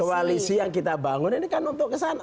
koalisi yang kita bangun ini kan untuk kesana